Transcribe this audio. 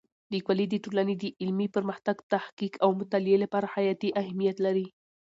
لیکوالی د ټولنې د علمي پرمختګ، تحقیق او مطالعې لپاره حیاتي اهمیت لري.